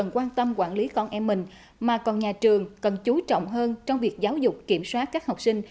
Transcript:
quan tâm quản lý con em mình mà còn nhà trường cần chú trọng hơn trong việc giáo dục kiểm soát các học sinh